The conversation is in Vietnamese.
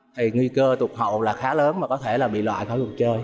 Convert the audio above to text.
thì nguy cơ tụt hậu là khá lớn và có thể là bị loại khỏi cuộc chơi